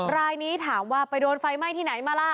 รายนี้ถามว่าไปโดนไฟไหม้ที่ไหนมาล่ะ